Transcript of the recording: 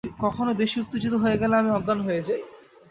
কখনো বেশি উত্তেজিত হয়ে গেলে আমি অজ্ঞান হয়ে যাই।